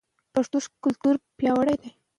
پښتو ښايي کلتور پیاوړی کړي.